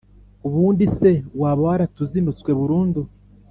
ubundi se, waba waratuzinutswe burundu,